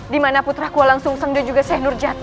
dimana putra ku alang sung sang dan juga sekh nurjati